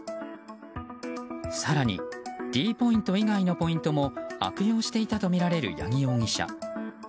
更にｄポイント以外のポイントも悪用していたとみられる八木容疑者。